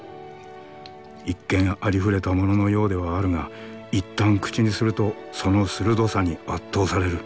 一見ありふれたもののようではあるがいったん口にするとその鋭さに圧倒される。